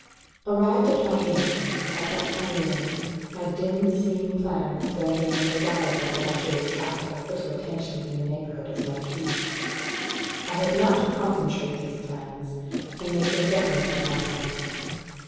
Arrived at my inn, I kept my room, my dim seen plans rendering it desirable that I should attract as little attention in the neighbourhood as might be. I had now to concentrate these plans, and make them definite to myself.